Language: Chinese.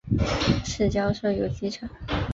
市郊设有机场。